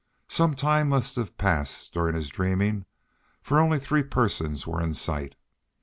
Some time must have passed during his dreaming, for only three persons were in sight.